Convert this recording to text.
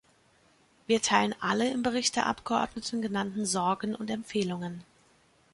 Wir teilen alle im Bericht der Abgeordneten genannten Sorgen und Empfehlungen.